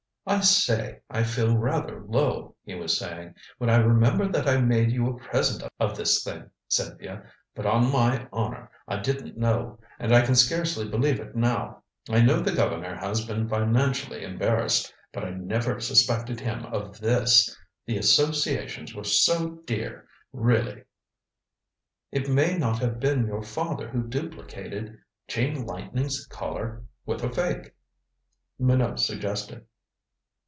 "I say, I feel rather low," he was saying, "when I remember that I made you a present of this thing, Cynthia. But on my honor, I didn't know. And I can scarcely believe it now. I know the governor has been financially embarrassed but I never suspected him of this the associations were so dear really " "It may not have been your father who duplicated Chain Lightning's Collar with a fake," Minot suggested.